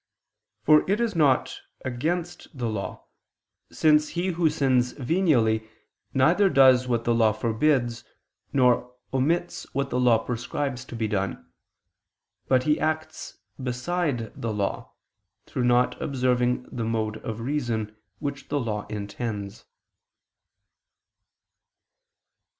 For it is not against the law, since he who sins venially neither does what the law forbids, nor omits what the law prescribes to be done; but he acts beside the law, through not observing the mode of reason, which the law intends.